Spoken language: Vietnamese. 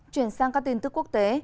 chuyển sang các tin tức quốc tế